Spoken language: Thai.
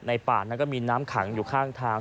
ป่านั้นก็มีน้ำขังอยู่ข้างทาง